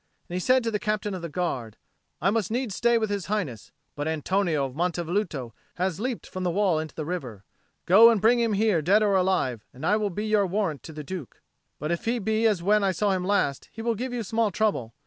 And he said to the Captain of the Guard, "I must needs stay with His Highness; but Antonio of Monte Velluto has leapt from the wall into the river. Go and bring him here, dead or alive, and I will be your warrant to the Duke. But if he be as when I saw him last, he will give you small trouble.